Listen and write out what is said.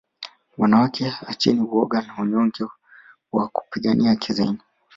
wanawake acheni woga na unyonge wa kupigania haki zenu